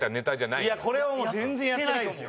いやこれはもう全然やってないですよ。